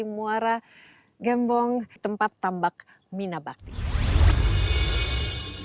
mewara gembong tempat tambak minabakti